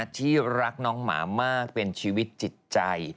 ที่รักน้องหมามากเป็นชีวิตจิตใจ